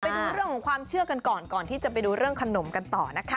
ไปดูเรื่องของความเชื่อกันก่อนก่อนที่จะไปดูเรื่องขนมกันต่อนะคะ